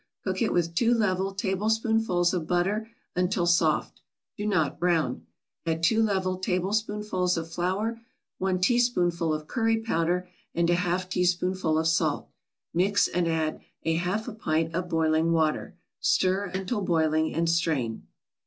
Cook it with two level tablespoonfuls of butter until soft. Do not brown. Add two level tablespoonfuls of flour, one teaspoonful of curry powder and a half teaspoonful of salt. Mix and add a half pint of boiling water. Stir until boiling, and strain.